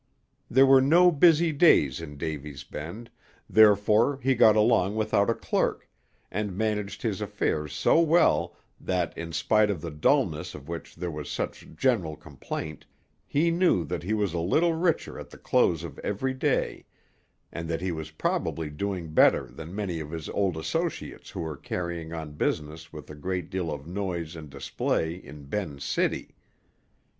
There were no busy days in Davy's Bend, therefore he got along without a clerk, and managed his affairs so well that, in spite of the dulness of which there was such general complaint, he knew that he was a little richer at the close of every day, and that he was probably doing better than many of his old associates who were carrying on business with a great deal of noise and display in Ben's City.